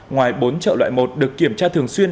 ngoài bốn chợ loại một được kiểm tra thường xuyên